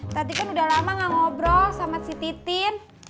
tadi kan udah lama gak ngobrol sama si titin